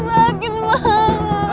aduh sakit banget